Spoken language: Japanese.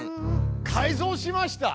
改造しました。